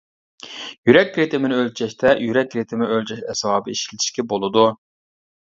يۈرەك رىتىمىنى ئۆلچەشتە يۈرەك رىتىمى ئۆلچەش ئەسۋابى ئىشلىتىشكە بولىدۇ.